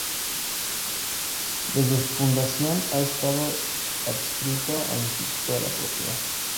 Desde su fundación ha estado adscrito al Instituto de la Propiedad.